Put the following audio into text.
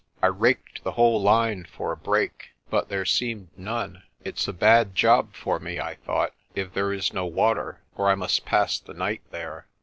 I raked the whole line for a break, but there seemed none. "It's a bad job for me," I thought, "if there is no water, for I must pass the night there."